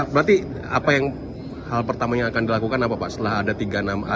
berarti apa yang hal pertama yang akan dilakukan apa pak setelah ada tiga nama